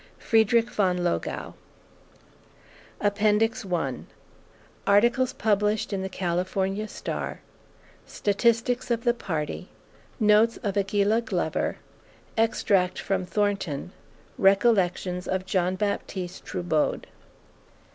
FRIEDRICH VON LOGAU. I ARTICLES PUBLISHED IN The California Star STATISTICS OF THE PARTY NOTES OF AGUILLA GLOVER EXTRACT FROM THORNTON RECOLLECTIONS OF JOHN BAPTISTE TRUBODE.